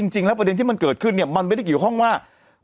ประเด็นที่มันเกิดขึ้นเนี่ยมันไม่ได้เกี่ยวข้องว่า